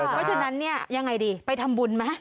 เพราะฉะนั้นเนี่ยยังไงดีไปทำบุญไหม